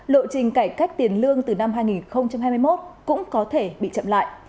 lộ trình cải cách tiền lương từ năm hai nghìn hai mươi một cũng có thể bị chậm lại